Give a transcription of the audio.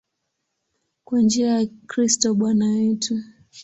Kwa njia ya Kristo Bwana wetu.